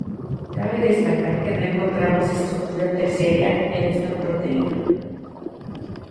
Cabe destacar que no encontramos estructura terciaria en esta proteína.